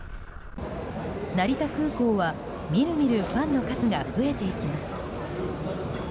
成田空港はみるみるファンの数が増えていきます。